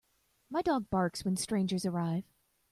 My dog barks when strangers arrive.